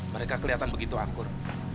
mereka kelihatan begitu angkur